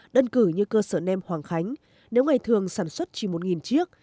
đơn cử như cơ sở nem hoàng khánh nếu ngày thường sản xuất chỉ một chiếc